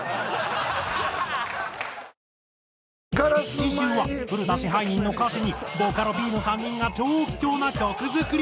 次週は古田支配人の歌詞にボカロＰの３人が超貴重な曲作り。